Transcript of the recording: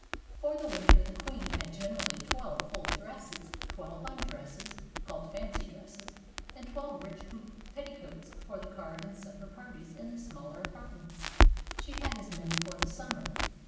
For the winter, the^'queen had generally twelve full dresses, twelve undresses, called fancy dresses, and twelve rich hoop petticoats for the card and supper par ties in the smaller apartments. She had as many for the summer.